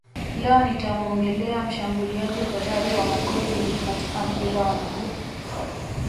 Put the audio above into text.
Leo nitamuongelea mshambuliaji hodari wa magoli mengi katika mpira wa miguu